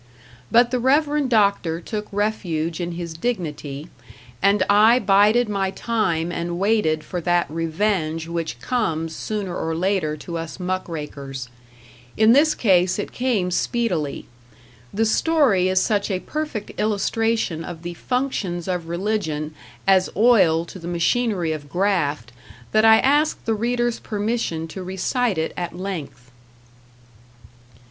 But the Reverend Doctor took refuge in his dignity, and I bided my time and waited for that revenge which comes sooner or later to us muck rakers. In this case it came speedily. The story is such a perfect illustration of the functions of religion as oil to the machinery of graft that I ask the reader's permission to recite it at length.